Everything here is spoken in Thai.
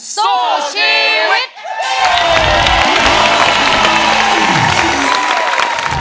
สู้ชีวิต